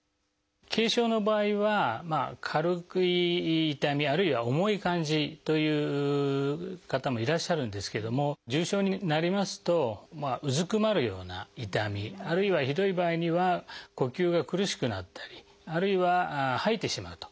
軽症の場合は軽い痛みあるいは重い感じという方もいらっしゃるんですけども重症になりますとうずくまるような痛みあるいはひどい場合には呼吸が苦しくなったりあるいは吐いてしまうと。